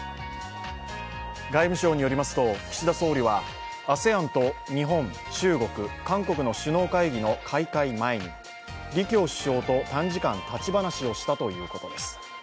外務省によりますと、岸田総理はＡＳＥＡＮと日本、中国、韓国の首脳会議の開会前に、李強首相と短時間立ち話をしたということです。